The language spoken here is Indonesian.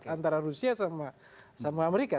antara rusia sama amerika